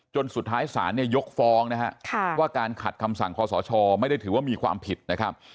สุดท้ายศาลเนี่ยยกฟ้องนะฮะว่าการขัดคำสั่งคอสชไม่ได้ถือว่ามีความผิดนะครับ